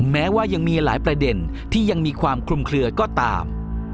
แม้ว่ายังมีหลายประเด็นที่ยังมีความคลุมเคลือก็ตาม